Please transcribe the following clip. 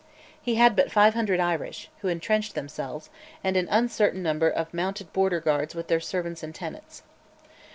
He had but 500 Irish, who entrenched themselves, and an uncertain number of mounted Border lairds with their servants and tenants.